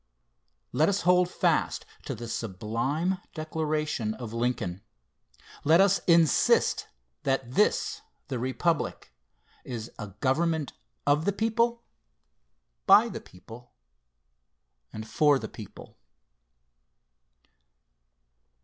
Let us hold fast to the sublime declaration of Lincoln. Let us insist that this, the Republic, is "A government of the people, by the people, and for the people."